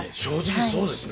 そうですね。